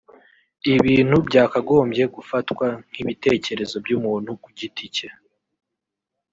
ibintu byakagombye gufatwa nk’ibitekerezo by’umuntu ku giti cye